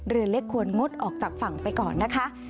เรือเล็กควรงดออกจากฝั่งไปก่อนนะคะ